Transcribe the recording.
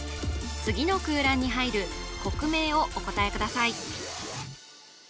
次の空欄に入る国名をお答えください